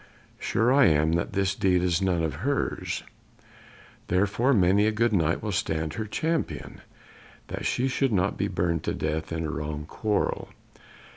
Sure I am that this deed is none of hers, therefore many a good Knight will stand her champion that she be not burned to death in a wrong quarrel.